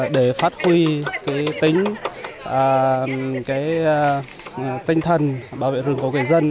để phát huy tính tinh thần bảo vệ rừng của người dân